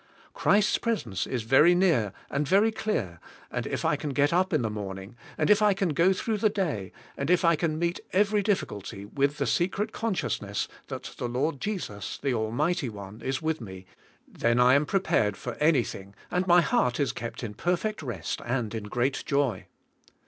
Christ's presence is very near and very clear and if I can g et up in the morning , and if I can g o throug h the day, and if I can meet every difficulty with the secret consciousness that the Lord Jesus, the Almig hty One, is with me, then 1 am prepared for anything and my heart is kept in perfect rest and in g reat joy.